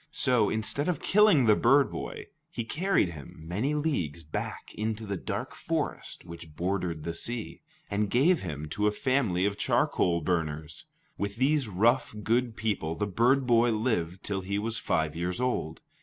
So, instead of killing the bird boy, he carried him many leagues back into the dark forest which bordered the sea, and gave him to a family of charcoal burners. With these rough, good people the bird boy lived till he was five years old.